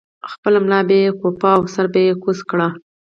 خپله ملا به یې کوپه او سر به یې کوز کړ.